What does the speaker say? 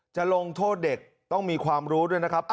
จะลงโทษเด็กต้องมีความรู้ด้วยนะครับ